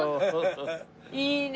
いいね。